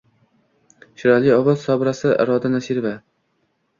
shirali ovoz sohibasi Iroda Nosirova.